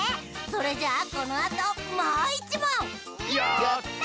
それじゃあこのあともういちもん！